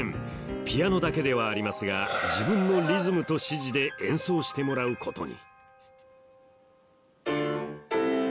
ピアノだけではありますが自分のリズムと指示で演奏してもらうことに